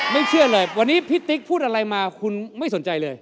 เชื่อเลยวันนี้พี่ติ๊กพูดอะไรมาคุณไม่สนใจเลย